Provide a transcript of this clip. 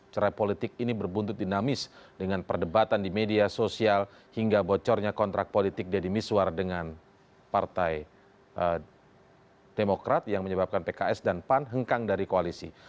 cerai politik ini berbuntut dinamis dengan perdebatan di media sosial hingga bocornya kontrak politik deddy miswar dengan partai demokrat yang menyebabkan pks dan pan hengkang dari koalisi